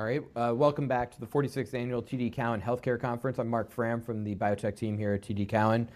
All right, welcome back to the 46th annual TD Cowen Healthcare Conference. I'm Marc Frahm from the biotech team here at TD Cowen.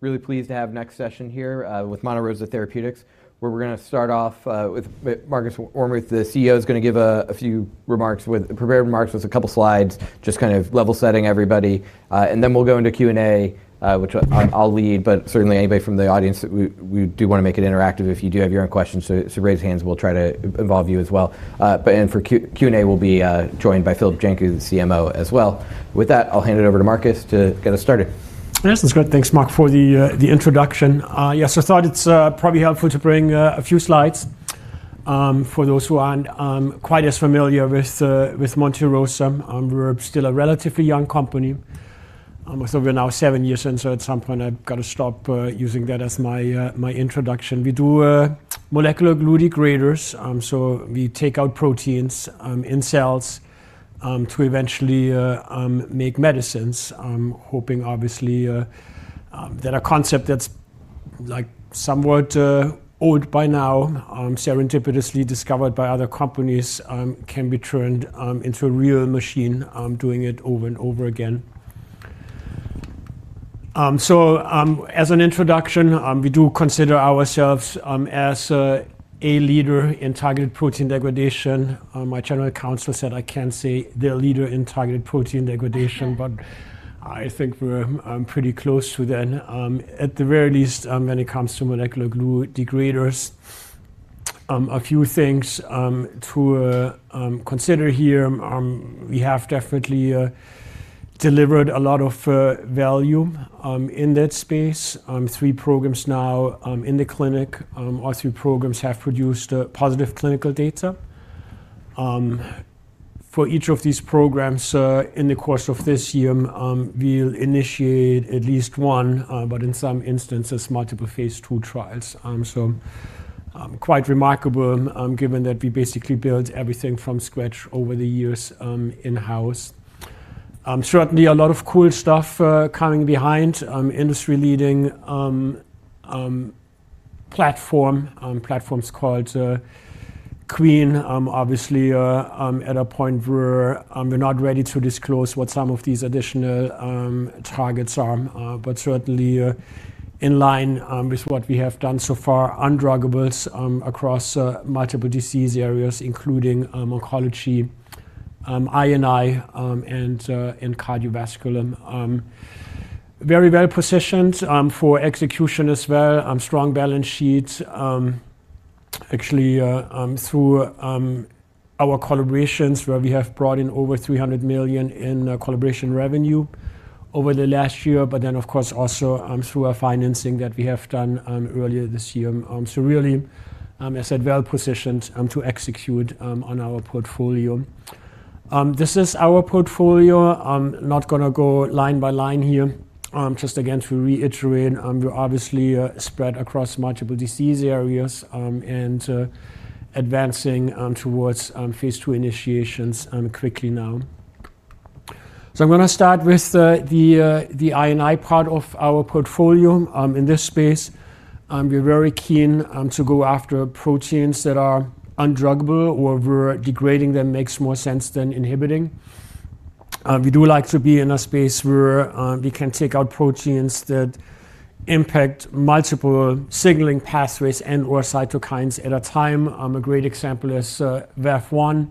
Really pleased to have next session here with Monte Rosa Therapeutics, where we're gonna start off with Markus Warmuth. The CEO's gonna give a few remarks with prepared remarks with a couple slides, just kind of level setting everybody. Then we'll go into Q&A, which I'll lead, but certainly anybody from the audience. We do wanna make it interactive. If you do have your own questions, so raise hands, we'll try to involve you as well. For Q&A, we'll be joined by Filip Janku, the CMO, as well. With that, I'll hand it over to Markus to get us started. Yes. That's great. Thanks, Marc, for the introduction. Yes, I thought it's probably helpful to bring a few slides for those who aren't quite as familiar with Monte Rosa. We're still a relatively young company. We're now seven years in, so at some point I've got to stop using that as my introduction. We do molecular glue degraders, so we take out proteins in cells to eventually make medicines. I'm hoping obviously that a concept that's like somewhat old by now, serendipitously discovered by other companies, can be turned into a real machine doing it over and over again. As an introduction, we do consider ourselves as a leader in targeted protein degradation. My general counsel said, I can't say the leader in targeted protein degradation, but I think we're pretty close to that at the very least when it comes to molecular glue degraders. A few things to consider here. We have definitely delivered a lot of value in that space. Thee programs now in the clinic. All three programs have produced positive clinical data. For each of these programs, in the course of this year, we'll initiate at least one, but in some instances, multiple phase II trials. Quite remarkable, given that we basically built everything from scratch over the years in-house. Certainly a lot of cool stuff coming behind industry leading platform. Platform's called QuEEN. Obviously, at a point where we're not ready to disclose what some of these additional targets are, but certainly in line with what we have done so far, undruggables, across multiple disease areas, including oncology, I&I, and cardiovascular. Very well positioned for execution as well. Strong balance sheet. Actually, through our collaborations where we have brought in over $300 million in collaboration revenue over the last year, but then of course also through our financing that we have done earlier this year. Really, as said, well positioned to execute on our portfolio. This is our portfolio. I'm not gonna go line by line here. Just again to reiterate, we're obviously spread across multiple disease areas, advancing towards phase II initiations quickly now. I'm gonna start with the I&I part of our portfolio. In this space, we're very keen to go after proteins that are undruggable or where degrading them makes more sense than inhibiting. We do like to be in a space where we can take out proteins that impact multiple signaling pathways and/or cytokines at a time. A great example is VAV1,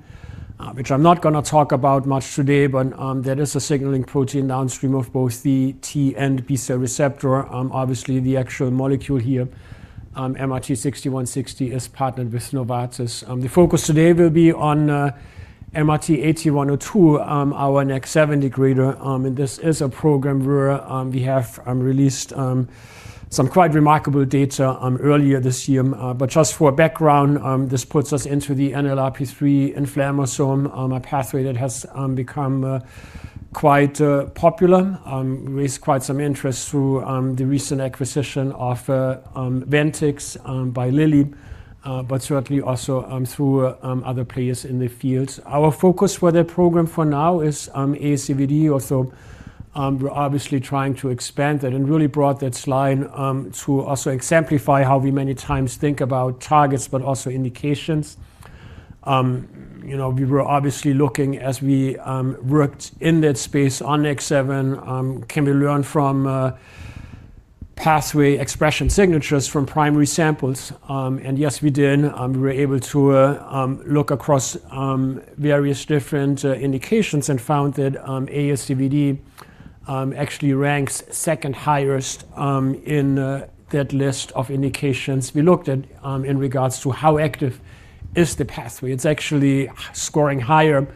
which I'm not gonna talk about much today, but that is a signaling protein downstream of both the T and B cell receptor. Obviously, the actual molecule here, MRT-6160 is partnered with Novartis. The focus today will be on MRT-8102, our NEK7 degrader. This is a program where we have released some quite remarkable data earlier this year. Just for background, this puts us into the NLRP3 inflammasome, a pathway that has become quite popular. Raised quite some interest through the recent acquisition of Ventyx by Lilly, but certainly also through other players in the field. Our focus for the program for now is ASCVD, although we're obviously trying to expand that and really brought that slide to also exemplify how we many times think about targets but also indications. You know, we were obviously looking as we worked in that space on NEK7, can we learn from pathway expression signatures from primary samples? Yes, we did. We were able to look across various different indications and found that ASCVD actually ranks second highest in that list of indications we looked at in regards to how active is the pathway. It's actually scoring higher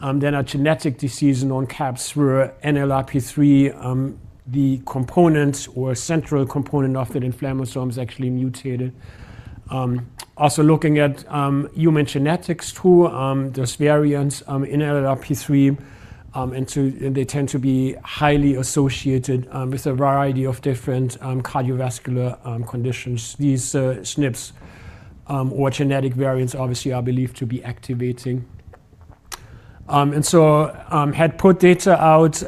than a genetic disease known CAPS, where NLRP3, the component or central component of that inflammasome is actually mutated. Also looking at human genetics, too. There's variants in NLRP3, and they tend to be highly associated with a variety of different cardiovascular conditions. These SNPs, or genetic variants obviously are believed to be activating. Had put data out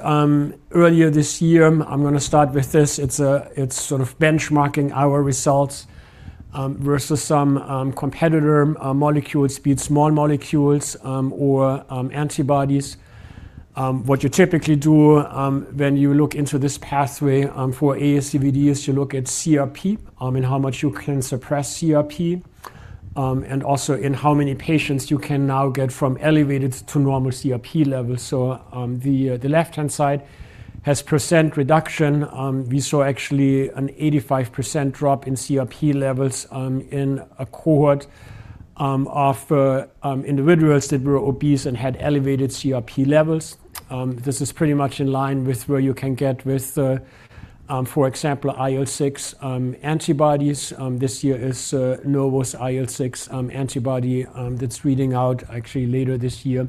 earlier this year. I'm going to start with this. It's sort of benchmarking our results versus some competitor molecules, be it small molecules or antibodies. What you typically do when you look into this pathway for ASCVD is you look at CRP and how much you can suppress CRP and also in how many patients you can now get from elevated to normal CRP levels. The left-hand side has percent reduction. We saw actually an 85% drop in CRP levels in a cohort of individuals that were obese and had elevated CRP levels. This is pretty much in line with where you can get with, for example, IL-6 antibodies. This year is Novos' IL-6 antibody that's reading out actually later this year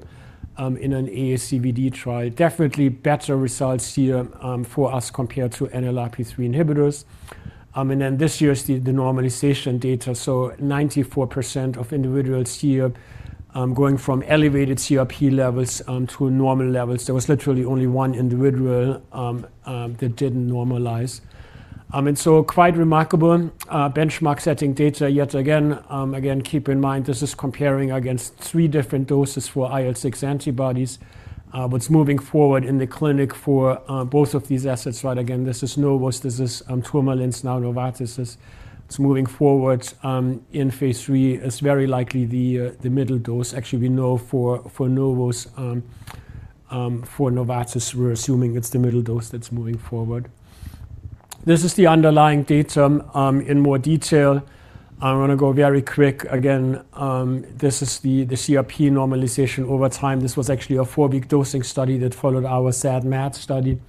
in an ASCVD trial. Definitely better results here for us compared to NLRP3 inhibitors. This year's the normalization data. 94% of individuals here going from elevated CRP levels to normal levels. There was literally only 1 individual that didn't normalize. Quite remarkable, benchmark setting data yet again. Again, keep in mind, this is comparing against three different doses for IL-6 antibodies, what's moving forward in the clinic for both of these assets. Right. Again, this is Novos'. This is Tourmaline's now Novartis'. It's moving forward in phase III. It's very likely the middle dose. Actually, we know for Novartis, we're assuming it's the middle dose that's moving forward. This is the underlying data in more detail. I'm gonna go very quick. Again, this is the CRP normalization over time. This was actually a four-week dosing study that followed our SAD/MAD study.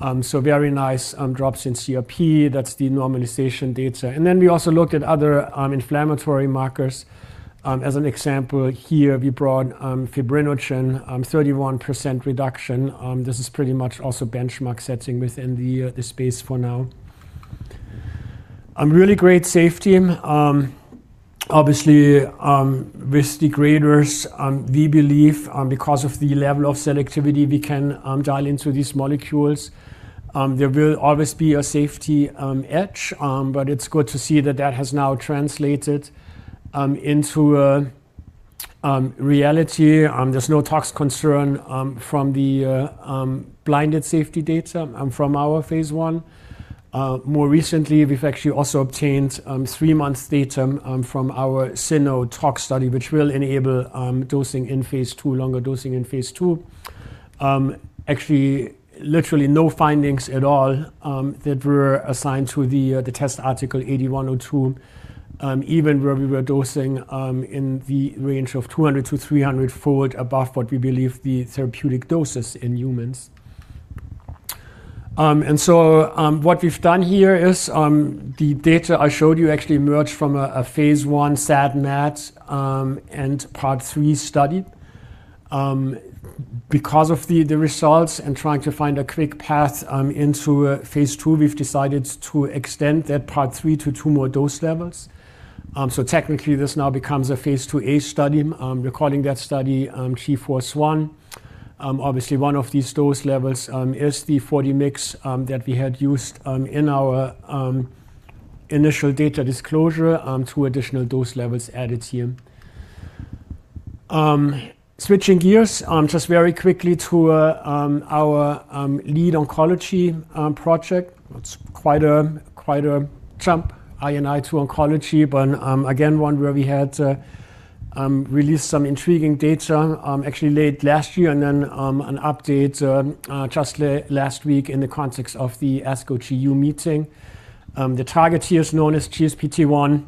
Very nice drops in CRP. That's the normalization data. We also looked at other inflammatory markers. As an example here, we brought fibrinogen, 31% reduction. This is pretty much also benchmark setting within the space for now. Really great safety. Obviously, with degraders, we believe because of the level of selectivity we can dial into these molecules, there will always be a safety edge. It's good to see that that has now translated into a reality. There's no tox concern from the blinded safety data from our phase I. More recently, we've actually also obtained three months data from our Cyno tox study, which will enable dosing in phase II, longer dosing in phase II. Actually, literally no findings at all that were assigned to the test Article 8102, even where we were dosing in the range of 200-300-fold above what we believe the therapeutic dose is in humans. What we've done here is the data I showed you actually emerged from a phase 1 SAD/MAD and part three study. Because of the results and trying to find a quick path into a phase II, we've decided to extend that part three to two more dose levels. Technically, this now becomes a phase IIa study. We're calling that study GFORCE-1. Obviously, one of these dose levels is the 40 mix that we had used in our initial data disclosure, two additional dose levels added here. Switching gears just very quickly to our lead oncology project. It's quite a jump I&I to oncology, again, one where we had to release some intriguing data actually late last year, and then an update just last week in the context of the ASCO GU meeting. The target here is known as GSPT1,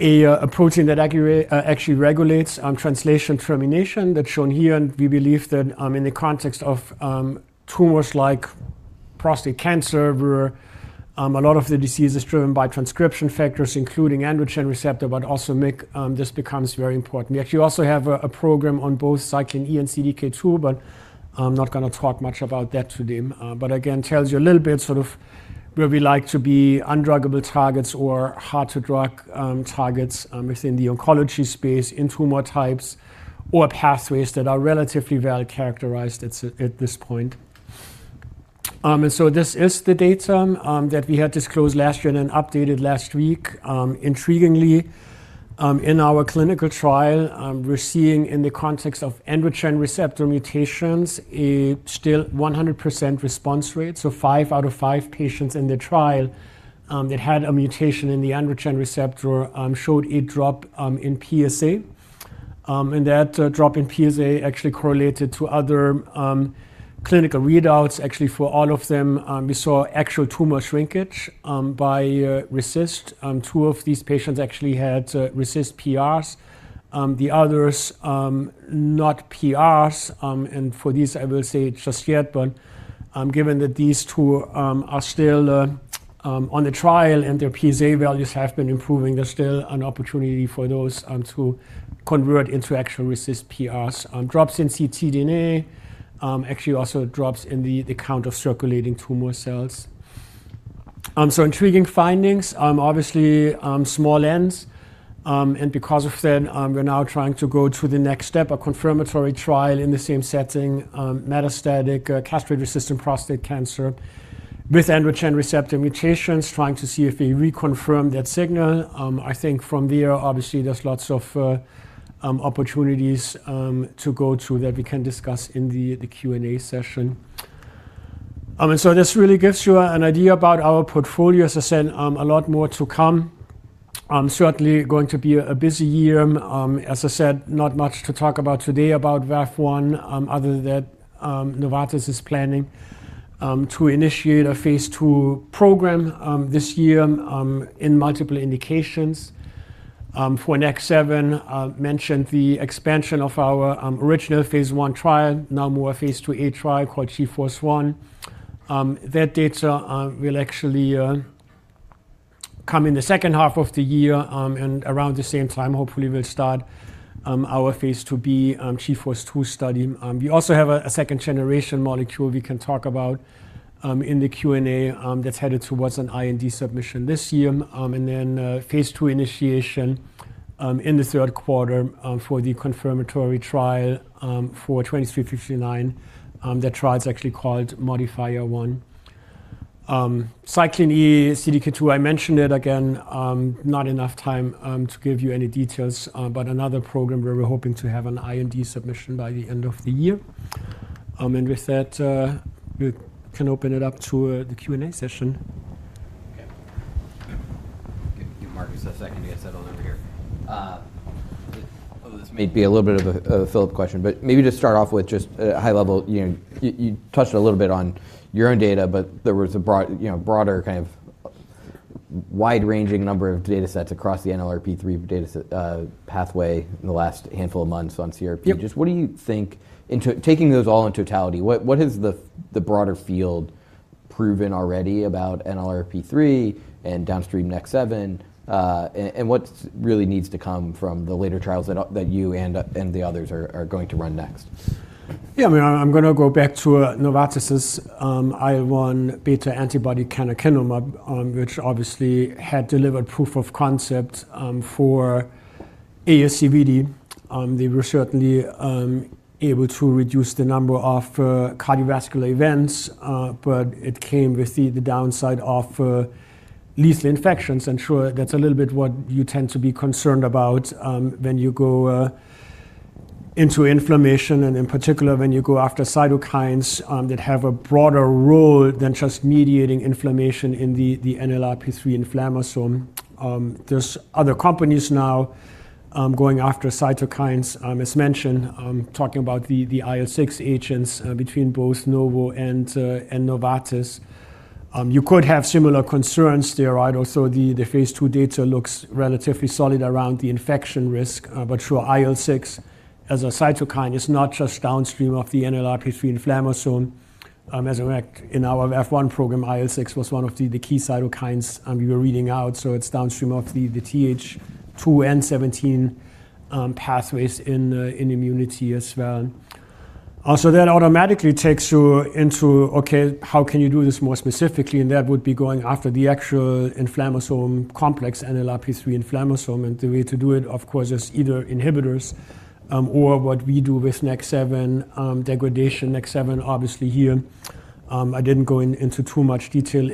a protein that actually regulates translation termination. That's shown here. We believe that in the context of tumors like prostate cancer, where a lot of the disease is driven by transcription factors, including androgen receptor, but also MYC, this becomes very important. We actually also have a program on both cyclin E and CDK2, but I'm not gonna talk much about that today. But again, tells you a little bit sort of where we like to be undruggable targets or hard to drug targets within the oncology space in tumor types or pathways that are relatively well characterized at this point. This is the data that we had disclosed last year and then updated last week. Intriguingly, in our clinical trial, we're seeing in the context of androgen receptor mutations a still 100% response rate. Five out of five patients in the trial that had a mutation in the androgen receptor showed a drop in PSA. That drop in PSA actually correlated to other clinical readouts. Actually, for all of them, we saw actual tumor shrinkage by RECIST. Two of these patients actually had RECIST PRs, the others not PRs. For these, I will say just yet, but given that these two are still on the trial and their PSA values have been improving, there's still an opportunity for those to convert into actual RECIST PRs. Drops in ctDNA, actually also drops in the count of circulating tumor cells. Intriguing findings, obviously, small Ns. Because of then, we're now trying to go to the next step, a confirmatory trial in the same setting, metastatic castration-resistant prostate cancer with androgen receptor mutations, trying to see if we reconfirm that signal. I think from there, obviously, there's lots of opportunities to go to that we can discuss in the Q&A session. This really gives you an idea about our portfolio. As I said, a lot more to come. Certainly going to be a busy year. As I said, not much to talk about today about VAV1, other than that, Novartis is planning to initiate a phase II program this year in multiple indications. For NEK7, I mentioned the expansion of our original phase I trial, now more a phase IIa trial called GFORCE-1. Their data will actually come in the H2 of the year, and around the same time, hopefully we'll start our phase IIb GFORCE-2 study. We also have a second-generation molecule we can talk about in the Q&A that's headed towards an IND submission this year, and then phase II initiation in the third quarter for the confirmatory trial for 2359. That trial is actually called MODIFIER-1. cyclin E, CDK2, I mentioned it. Not enough time to give you any details, but another program where we're hoping to have an IND submission by the end of the year. With that, we can open it up to the Q&A session. Okay. Give Marcus a second to get settled over here. This may be a little bit of a Filip question. Maybe just start off with just high level. You touched a little bit on your own data. There was a broad, you know, broader kind of wide-ranging number of data sets across the NLRP3 data set pathway in the last handful of months on CRP. Yep. Just what do you think In taking those all in totality, what has the broader field proven already about NLRP3 and downstream NEK7, and what really needs to come from the later trials that you and the others are going to run next? Yeah. I mean, I'm gonna go back to Novartis' IL-1β antibody canakinumab, which obviously had delivered proof of concept for ASCVD. They were certainly able to reduce the number of cardiovascular events, but it came with the downside of lethal infections. Sure, that's a little bit what you tend to be concerned about when you go into inflammation, and in particular, when you go after cytokines that have a broader role than just mediating inflammation in the NLRP3 inflammasome. There's other companies now going after cytokines, as mentioned, talking about the IL-6 agents between both Novo and Novartis. You could have similar concerns there, right? The phase II data looks relatively solid around the infection risk. Sure, IL-6 as a cytokine is not just downstream of the NLRP3 inflammasome. As a matter of fact, in our Phase 1 program, IL-6 was one of the key cytokines we were reading out, so it's downstream of the Th2 and Th17 pathways in immunity as well. That automatically takes you into, okay, how can you do this more specifically? That would be going after the actual inflammasome complex, NLRP3 inflammasome. The way to do it, of course, is either inhibitors or what we do with NEK7 degradation. NEK7, obviously here, I didn't go into too much detail,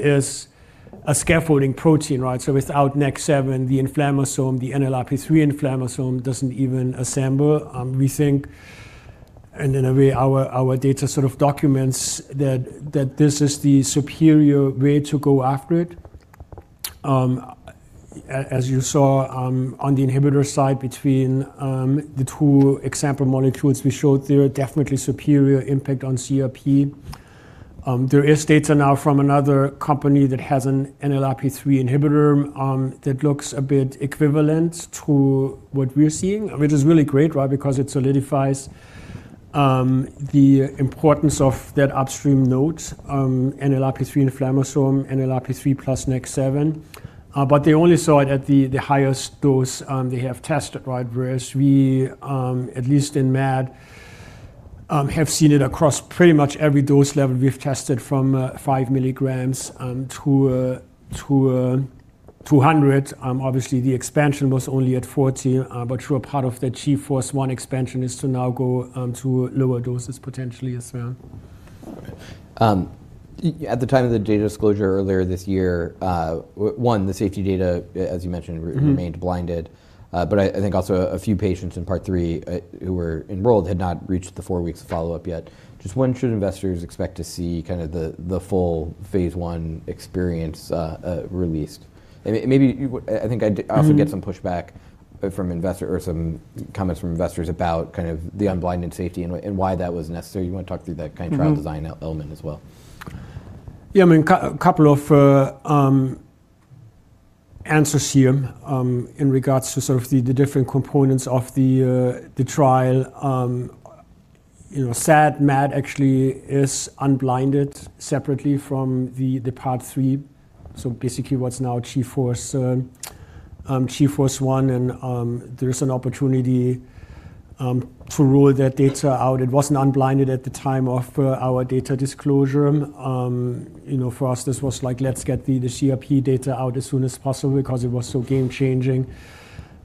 is a scaffolding protein, right? Without NEK7, the inflammasome, the NLRP3 inflammasome doesn't even assemble. We think, in a way, our data sort of documents that this is the superior way to go after it. As you saw, on the inhibitor side between the two example molecules we showed there, definitely superior impact on CRP. There is data now from another company that has an NLRP3 inhibitor that looks a bit equivalent to what we're seeing, which is really great, right, because it solidifies the importance of that upstream node, NLRP3 inflammasome, NLRP3 plus NEK7. They only saw it at the highest dose they have tested, right? Whereas we, at least in MAD, have seen it across pretty much every dose level we've tested from five milligrams to 100. Obviously the expansion was only at 40, but sure, part of the GFORCE-1 expansion is to now go to lower doses potentially as well. At the time of the data disclosure earlier this year, one, the safety data, as you mentioned- Mm-hmm ...remained blinded. I think also a few patients in Part three, who were enrolled had not reached the four weeks follow-up yet. Just when should investors expect to see kind of the full phase I experience released? Mm-hmm. ...often get some pushback from investor or some comments from investors about kind of the unblinded safety and why that was necessary. You wanna talk through that kind of- Mm-hmm ...trial design element as well? Yeah. I mean, couple of answers here in regards to sort of the different components of the trial. You know, SAD/MAD actually is unblinded separately from the Part Three, so basically what's now GFORCE-1, and there is an opportunity to rule that data out. It wasn't unblinded at the time of our data disclosure. You know, for us, this was like, let's get the CRP data out as soon as possible because it was so game-changing,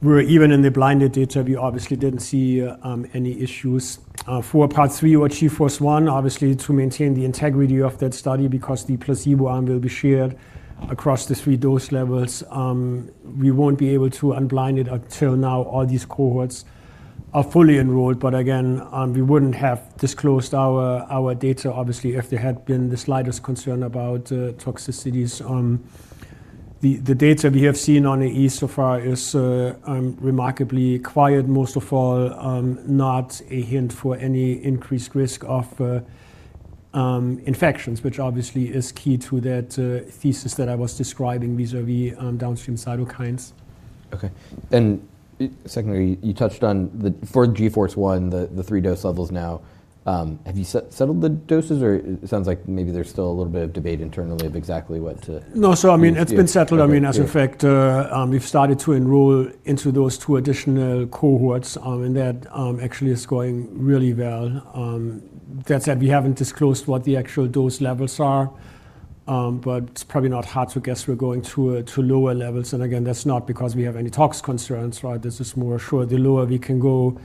where even in the blinded data, we obviously didn't see any issues. For Part Three or GFORCE-1, obviously, to maintain the integrity of that study because the placebo arm will be shared across the three dose levels, we won't be able to unblind it until now all these cohorts are fully enrolled. Again, we wouldn't have disclosed our data, obviously, if there had been the slightest concern about toxicities. The data we have seen on the E so far is remarkably quiet. Most of all, not a hint for any increased risk of infections, which obviously is key to that thesis that I was describing vis-à-vis downstream cytokines. Okay. Secondly, you touched on the for GFORCE-1, the three dose levels now, have you settled the doses or it sounds like maybe there's still a little bit of debate internally of exactly what? No. I mean, it's been settled. Okay. Yeah. I mean, as a fact, we've started to enroll into those two additional cohorts, and that actually is going really well. That said, we haven't disclosed what the actual dose levels are. It's probably not hard to guess we're going to lower levels. Again, that's not because we have any tox concerns, right? This is more sure the lower we can go,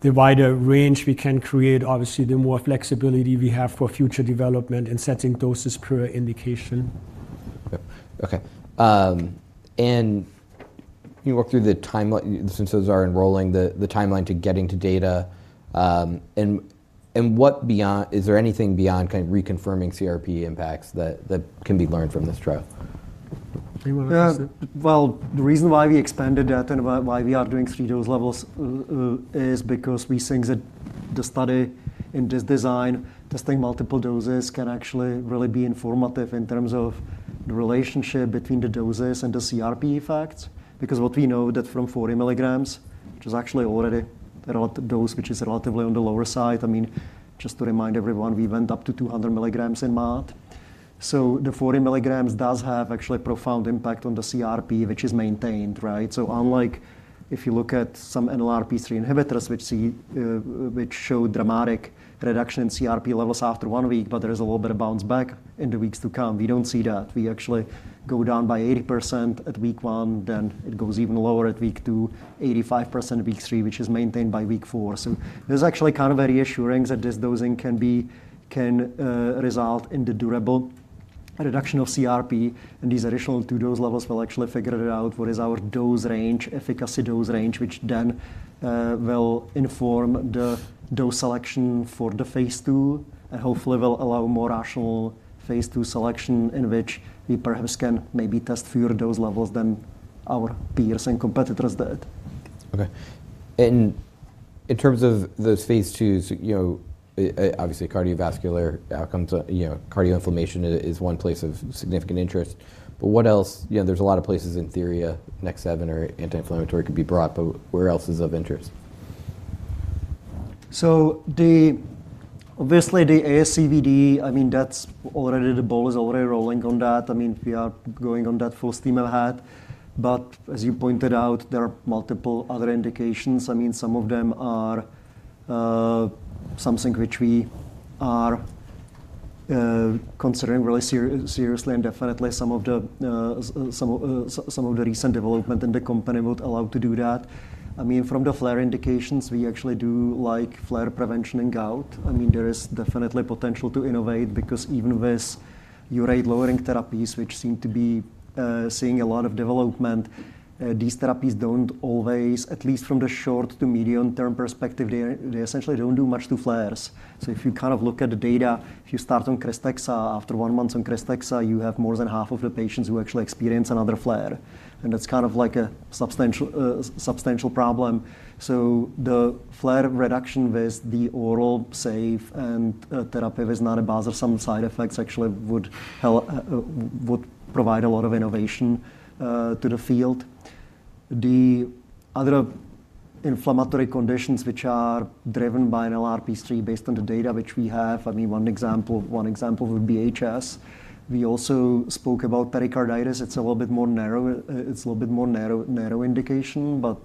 the wider range we can create. Obviously, the more flexibility we have for future development and setting doses per indication. Yep. Okay. Can you walk through the timeline since those are enrolling, the timeline to getting to data, and what beyond? Is there anything beyond kind of reconfirming CRP impacts that can be learned from this trial? Do you wanna answer? Well, the reason why we expanded that and why we are doing 3 dose levels is because we think that the study in this design, testing multiple doses can actually really be informative in terms of the relationship between the doses and the CRP effects. What we know that from 40 milligrams, which is actually already a relative dose, which is relatively on the lower side. I mean, just to remind everyone, we went up to 200 milligrams in MOD. The 40 milligrams does have actually profound impact on the CRP, which is maintained, right. Unlike if you look at some NLRP3 inhibitors, which show dramatic reduction in CRP levels after 1 week, but there is a little bit of bounce back in the weeks to come. We don't see that. We actually go down by 80% at week one, then it goes even lower at week two, 85% at week three, which is maintained by week four. This is actually kind of very reassuring that this dosing can result in the durable reduction of CRP, and these additional two dose levels will actually figure it out what is our dose range, efficacy dose range, which then will inform the dose selection for the phase two, and hopefully will allow more rational phase two selection, in which we perhaps can maybe test fewer dose levels than our peers and competitors did. Okay. In terms of those phase IIs, you know, obviously cardiovascular outcomes, you know, cardio inflammation is one place of significant interest. What else? You know, there's a lot of places in theory a NEK7 or anti-inflammatory could be brought, but where else is of interest? Obviously, the ASCVD, I mean, that's already the ball is already rolling on that. I mean, we are going on that full steam ahead. As you pointed out, there are multiple other indications. I mean, some of them are something which we are considering really seriously and definitely some of the recent development in the company would allow to do that. I mean, from the flare indications, we actually do like flare prevention and gout. I mean, there is definitely potential to innovate because even with urate-lowering therapies, which seem to be seeing a lot of development, these therapies don't always, at least from the short to medium-term perspective, they essentially don't do much to flares. If you kind of look at the data, if you start on KRYSTEXXA, after one month on KRYSTEXXA, you have more than half of the patients who actually experience another flare. That's kind of like a substantial problem. The flare reduction with the oral safe and therapy with, some side effects actually would help, would provide a lot of innovation to the field. The other inflammatory conditions which are driven by NLRP3 based on the data which we have, I mean, one example would be HS. We also spoke about pericarditis. It's a little bit more narrow. It's a little bit more narrow indication, but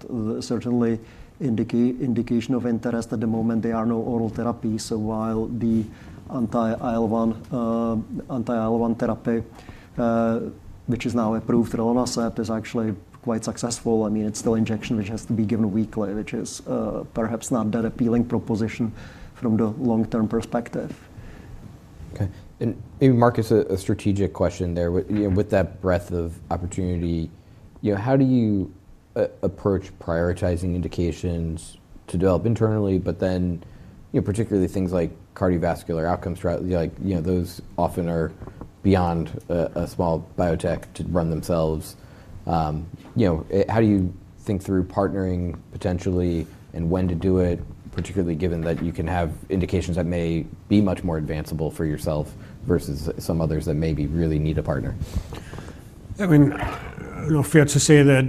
certainly indication of interest. At the moment, there are no oral therapies. While the anti-IL-1 therapy, which is now approved, Rilonacept is actually quite successful. I mean, it's still injection which has to be given weekly, which is perhaps not that appealing proposition from the long-term perspective. Okay. Maybe Markus, a strategic question there. With that breadth of opportunity, you know, how do you approach prioritizing indications to develop internally, but then, you know, particularly things like cardiovascular outcomes, right? Like, you know, those often are beyond a small biotech to run themselves. You know, how do you think through partnering potentially and when to do it, particularly given that you can have indications that may be much more advanceable for yourself versus some others that maybe really need a partner? I mean, you know, fair to say that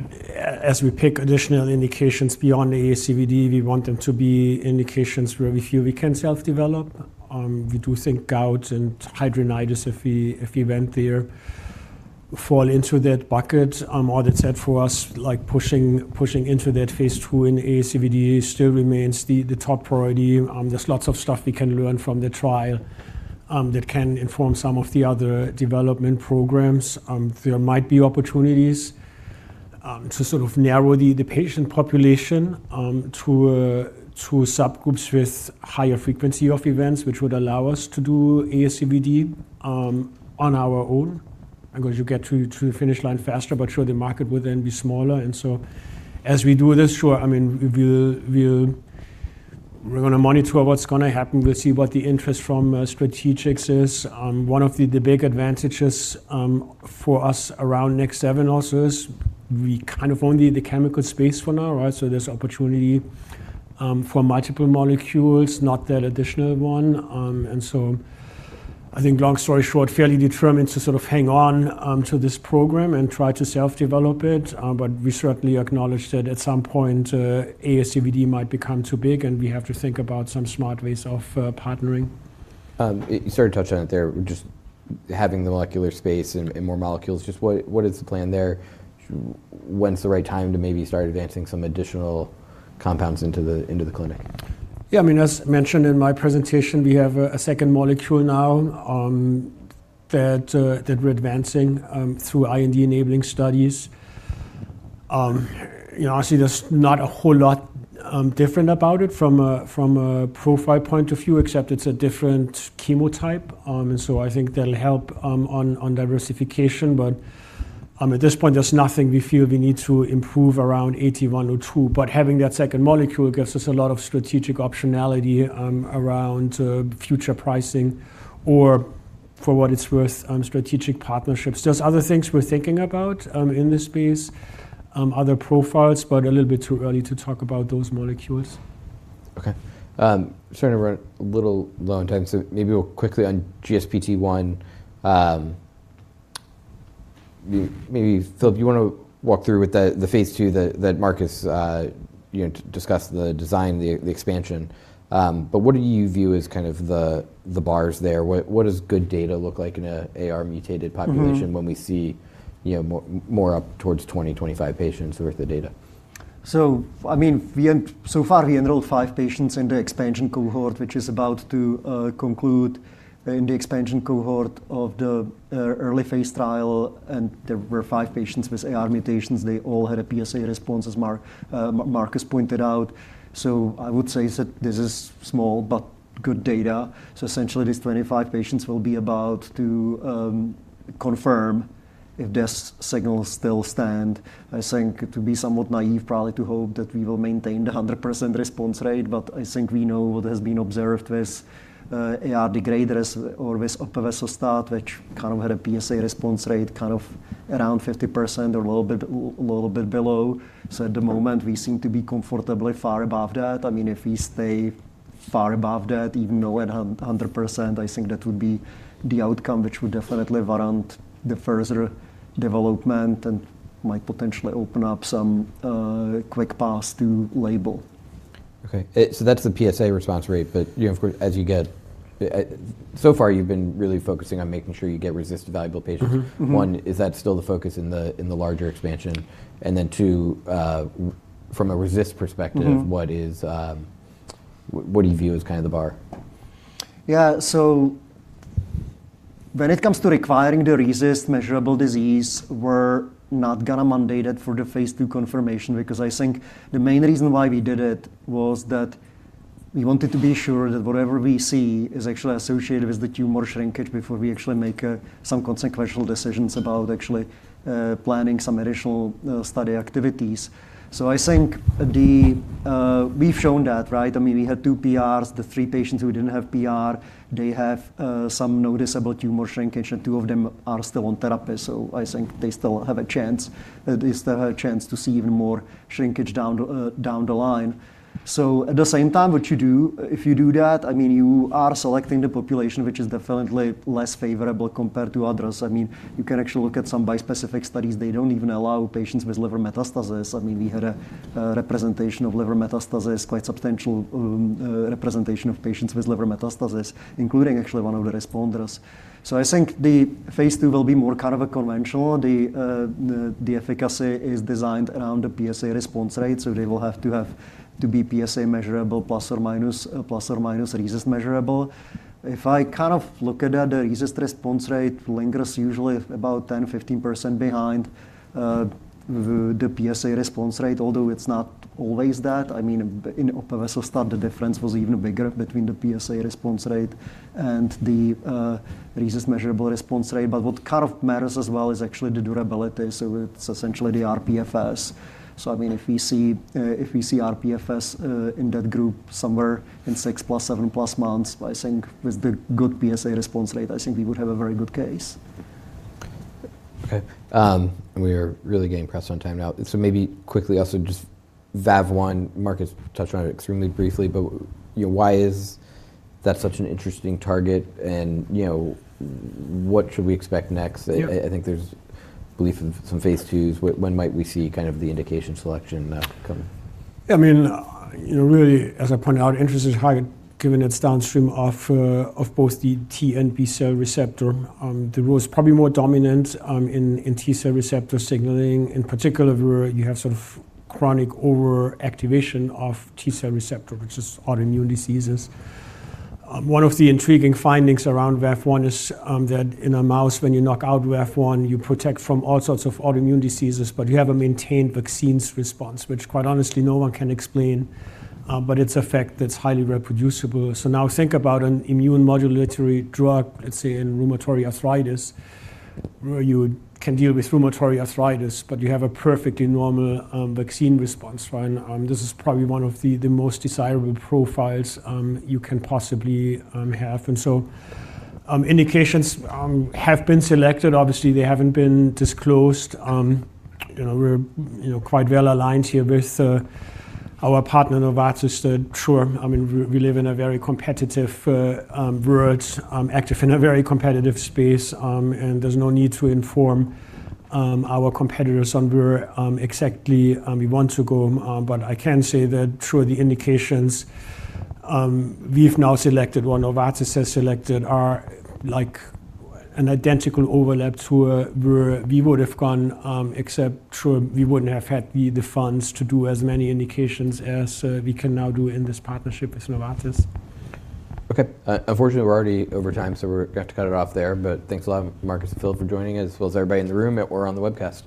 as we pick additional indications beyond ASCVD, we want them to be indications where we feel we can self-develop. We do think gout and hidradenitis if we went there, fall into that bucket. All that said, for us, like pushing into that phase II in ASCVD still remains the top priority. There's lots of stuff we can learn from the trial that can inform some of the other development programs. There might be opportunities to sort of narrow the patient population to subgroups with higher frequency of events, which would allow us to do ASCVD on our own. Of course, you get to the finish line faster, but sure, the market would then be smaller. As we do this, sure, I mean, we're gonna monitor what's gonna happen. We'll see what the interest from strategics is. One of the big advantages for us around MRT-2359 also is we kind of own the chemical space for now, right? There's opportunity for multiple molecules, not that additional one. I think long story short, fairly determined to sort of hang on to this program and try to self-develop it. We certainly acknowledge that at some point, ASCVD might become too big, and we have to think about some smart ways of partnering. You sort of touched on it there, just having the molecular space and more molecules. Just what is the plan there? When's the right time to maybe start advancing some additional compounds into the clinic? Yeah, I mean, as mentioned in my presentation, we have a second molecule now, that we're advancing through IND-enabling studies. You know, obviously, there's not a whole lot different about it from a, from a profile point of view, except it's a different chemotype. I think that'll help on diversification. At this point, there's nothing we feel we need to improve around 8102. Having that second molecule gives us a lot of strategic optionality around future pricing or, for what it's worth, strategic partnerships. There's other things we're thinking about in this space, other profiles, but a little bit too early to talk about those molecules. Starting to run a little low on time, maybe real quickly on GSPT1. Maybe, Filip, you wanna walk through with the phase II that Markus, you know, discussed, the design, the expansion. What do you view as kind of the bars there? What, what does good data look like in an AR-mutated population... Mm-hmm when we see, you know, more up towards 20, 25 patients worth of data? I mean, we so far, we enrolled five patients in the expansion cohort, which is about to conclude. In the expansion cohort of the early phase trial. There were five patients with AR mutations. They all had a PSA response, as Markus pointed out. I would say that this is small but good data. Essentially, these 25 patients will be about to confirm if this signal still stand. I think to be somewhat naive, probably to hope that we will maintain the 100% response rate. I think we know what has been observed with AR degraders or with Opevesostat, which kind of had a PSA response rate, kind of around 50% or a little bit below. At the moment, we seem to be comfortably far above that. I mean, if we stay far above that, even though at 100%, I think that would be the outcome which would definitely warrant the further development and might potentially open up some quick path to label. Okay. That's the PSA response rate. you know, of course, So far, you've been really focusing on making sure you get RECIST valuable patients. Mm-hmm. Mm-hmm. 1, is that still the focus in the, in the larger expansion? Two, from a RECIST perspective- Mm-hmm... what is, what do you view as kinda the bar? Yeah. When it comes to requiring the RECIST measurable disease, we're not gonna mandate it for the phase II confirmation because I think the main reason why we did it was that we wanted to be sure that whatever we see is actually associated with the tumor shrinkage before we actually make some consequential decisions about actually planning some additional study activities. I think the We've shown that, right? I mean, we had two PRs. The three patients who didn't have PR, they have some noticeable tumor shrinkage, and two of them are still on therapy. I think they still have a chance, at least they have a chance to see even more shrinkage down down the line. At the same time, what you do, if you do that, I mean, you are selecting the population, which is definitely less favorable compared to others. I mean, you can actually look at some bispecific studies. They don't even allow patients with liver metastasis. I mean, we had a representation of liver metastasis, quite substantial representation of patients with liver metastasis, including actually one of the responders. I think the phase two will be more kind of a conventional. The efficacy is designed around the PSA response rate, so they will have to be PSA measurable plus or minus, plus or minus RECIST measurable. If I kind of look at that, the RECIST response rate lingers usually about 10%, 15% behind the PSA response rate, although it's not always that. I mean, in Opevesostat, the difference was even bigger between the PSA response rate and the RECIST measurable response rate. What kind of matters as well is actually the durability, so it's essentially the rPFS. I mean, if we see rPFS in that group somewhere in 6-plus, 7-plus months, I think with the good PSA response rate, I think we would have a very good case. Okay. We are really getting pressed on time now. Maybe quickly also just VAV1, Marcus touched on it extremely briefly, but, you know, why is that such an interesting target? You know, what should we expect next? Yeah. I think there's belief in some phase IIs. When might we see kind of the indication selection coming? I mean, you know, really, as I pointed out, interest is high given it's downstream of both the T and B cell receptor. The role is probably more dominant in T cell receptor signaling. In particular, where you have sort of chronic overactivation of T cell receptor, which is autoimmune diseases. One of the intriguing findings around VAV1 is that in a mouse, when you knock out VAV1, you protect from all sorts of autoimmune diseases, but you have a maintained vaccines response, which quite honestly no one can explain, but it's a fact that's highly reproducible. Now think about an immune modulatory drug, let's say in rheumatoid arthritis, where you can deal with rheumatoid arthritis, but you have a perfectly normal vaccine response, right? This is probably one of the most desirable profiles you can possibly have. Indications have been selected. Obviously, they haven't been disclosed. You know, we're, you know, quite well aligned here with our partner, Novartis. Sure, I mean, we live in a very competitive world, active in a very competitive space, and there's no need to inform our competitors on where exactly we want to go. I can say that sure the indications we've now selected or Novartis has selected are like an identical overlap to where we would have gone, except sure, we wouldn't have had the funds to do as many indications as we can now do in this partnership with Novartis. Unfortunately, we have to cut it off there. Thanks a lot, Markus and Filip, for joining us, as well as everybody in the room or on the webcast.